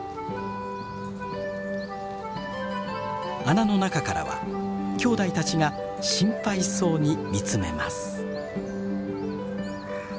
穴の中からはきょうだいたちが心配そうに見つめます。